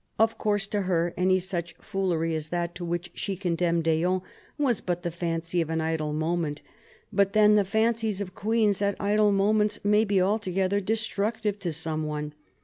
Of course to her any such foolery as that to which she condemned d'Eon was but the fancy of an idle moment. But then the fancies of queens at idle moments may be altogether destructive to someone.